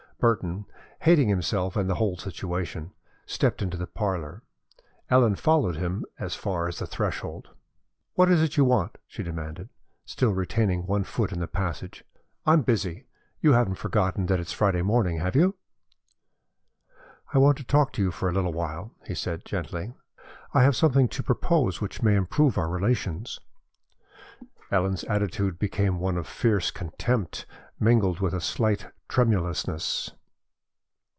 Burton, hating himself and the whole situation, stepped into the parlor. Ellen followed him as far as the threshold. "What is it you want?" she demanded, still retaining one foot in the passage. "I'm busy. You haven't forgotten that it's Friday morning, have you?" "I want to talk to you for a little while," he said, gently. "I have something to propose which may improve our relations." Ellen's attitude became one of fierce contempt mingled with a slight tremulousness.